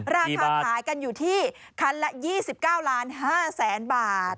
ราคาถ่ายกันอยู่ที่คันละ๒๙ล้าน๕แสนบาท